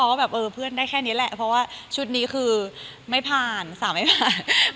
ว่าแบบเออเพื่อนได้แค่นี้แหละเพราะว่าชุดนี้คือไม่ผ่านสาวไม่ผ่าน